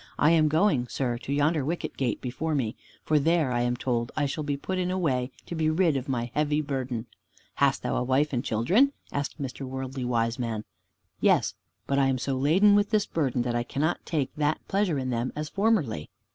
"I am going, sir, to yonder Wicket gate before me, for there, I am told, I shall be put into a way to be rid of my heavy burden." "Hast thou a wife and children?" asked Mr. Worldly Wiseman. "Yes, but I am so laden with this burden that I cannot take that pleasure in them as formerly."